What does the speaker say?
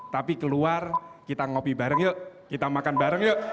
tapi keluar kita ngopi bareng yuk kita makan bareng yuk